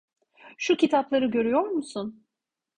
Şu kitapları görüyor musun?